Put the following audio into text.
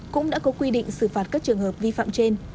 cũng đã có quy định xử phạt các trường hợp vi phạm trên